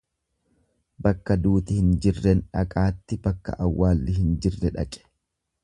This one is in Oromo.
Bakka duuti hin jirren dhaqaatti bakka awwalli hin jirre dhaqe.